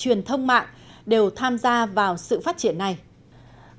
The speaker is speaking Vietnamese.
ngữ văn hóa đều tham gia vào sự phát triển trên cốt lõi bài bản cổ cùng giá trị và bản sắc